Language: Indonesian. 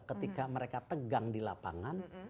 ketika mereka tegang di lapangan